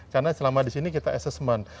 karena selama disini kita assessment